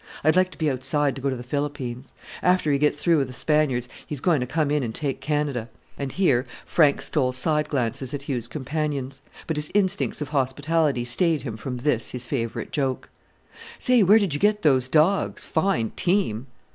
I'd like to be outside to go to the Philippines. After he gets through with the Spaniards he's going to come in and take Canada," and here Frank stole side glances at Hugh's companions; but his instincts of hospitality stayed him from this, his favourite joke. Indian name for the late Alexander McDonald. "Say! where did you get those dogs? Fine team!"